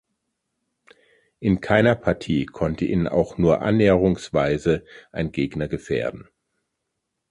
In keiner Partie konnte ihn auch nur annäherungsweise ein Gegner gefährden.